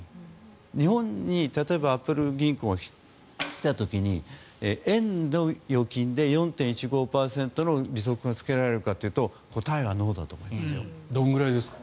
日本に例えばアップル銀行が来た時に円の預金で４．１５％の利息がつけられるかというとどれくらいですか？